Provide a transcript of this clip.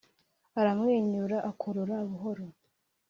aramwenyura akorora buhoro